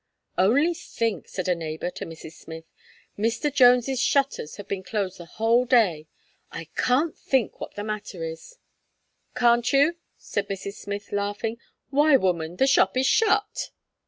"Only think!" said a neighbour to Mrs. Smith, "Mr. Jones's shutters have been closed the whole day. I can't think what the matter is." "Can't you," replied Mrs. Smith laughing, "why, woman, the shop is shut."